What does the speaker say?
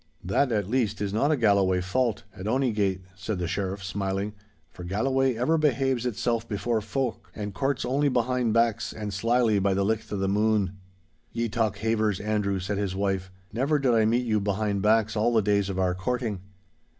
'That, at least, is not a Galloway fault, at ony gate,' said the Sheriff, smiling, 'for Galloway ever behaves itself before folk, and courts only behind backs and slily by the licht of the moon.' 'Ye talk havers, Andrew,' said his wife. 'Never did I meet you behind backs all the days of our courting.